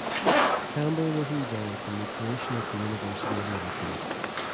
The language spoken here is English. Campbell was involved in the creation of the University of Liverpool.